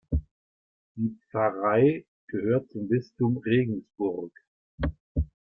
Die Pfarrei gehört zum Bistum Regensburg.